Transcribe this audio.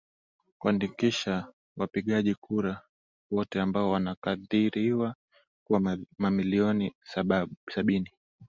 kuandikisha wapigaji kura wote ambao wanakadhiriwa kuwa milioni sabini